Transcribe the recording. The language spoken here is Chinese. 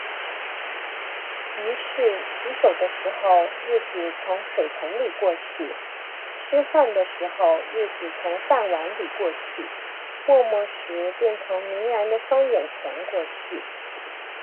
于是——洗手的时候，日子从水盆里过去；吃饭的时候，日子从饭碗里过去；默默时，便从凝然的双眼前过去。